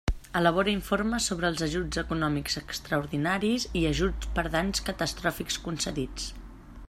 Elabora informes sobre els ajuts econòmics extraordinaris i ajuts per danys catastròfics concedits.